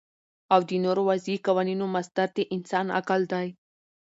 او د نورو وضعی قوانینو مصدر د انسان عقل دی